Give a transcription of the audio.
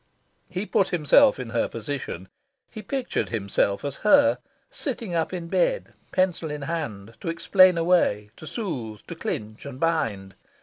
He put himself in her position. He pictured himself as her, "sitting up in bed," pencil in hand, to explain away, to soothe, to clinch and bind...